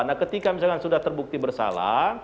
nah ketika misalkan sudah terbukti bersalah